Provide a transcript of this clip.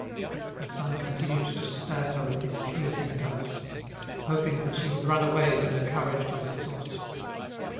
Her son continued to stab her with his piercing glances, hoping that she would run away when her courage was exhausted.